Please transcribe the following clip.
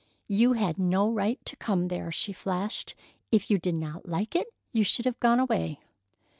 "You had no right to come there!" she flashed. "If you did not like it, you should have gone away."